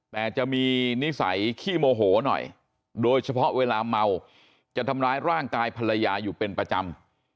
แต่จะมีนิสัยขี้โมโหหน่อยโดยเฉพาะเวลาเมาจะทำร้ายร่างกายภรรยาอยู่เป็นประจำ